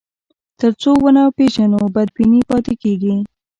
تر څو ونه پېژنو، بدبیني پاتې کېږي.